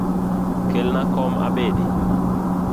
Kelna kom abedi.